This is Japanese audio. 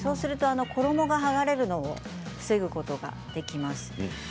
衣が剥がれるのを防ぐことができます。